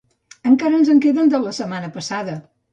Encara ens en queden de la setmana passada.